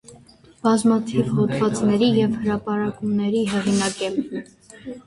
Բազմաթիվ հոդվածների և հրապարակումների հեղինակ է։